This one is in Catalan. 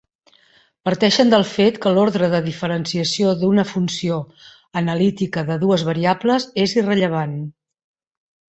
Parteixen del fet que l'ordre de diferenciació d'una funció analítica de dues variables és irrellevant.